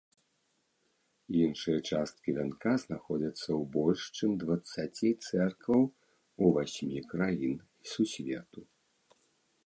Іншыя часткі вянка знаходзяцца ў больш чым дваццаці цэркваў у васьмі краін сусвету.